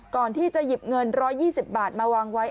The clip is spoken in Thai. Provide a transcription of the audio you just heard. ก่อนที่จะหยิบเงิน๑๒๐บาทมาวางไว้